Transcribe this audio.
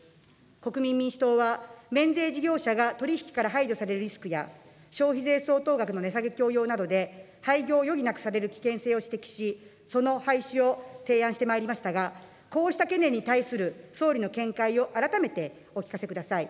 国民民主党は免税事業者が取り引きから排除されるリスクや、消費税相当額の値下げ強要などで廃業を余儀なくされる危険性を指摘し、その廃止を提案してまいりましたが、こうした懸念に対する総理の見解を改めてお聞かせください。